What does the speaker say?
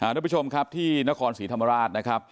ด้วยผู้ชมครับที่นครศรีธรรมาราชนะคะ